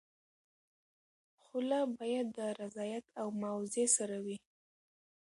خلع باید د رضایت او معاوضې سره وي.